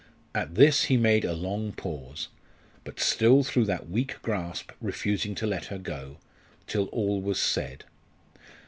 At this he made a long pause but, still, through that weak grasp, refusing to let her go till all was said.